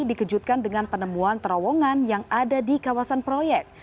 dikejutkan dengan penemuan terowongan yang ada di kawasan proyek